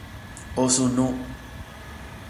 Osunu